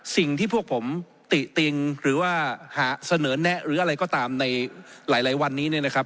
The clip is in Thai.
สิ่งที่พวกผมติติงหรือว่าหาเสนอแนะหรืออะไรก็ตามในหลายวันนี้เนี่ยนะครับ